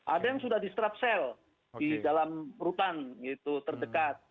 ada yang sudah di strap sell di dalam rutan gitu terdekat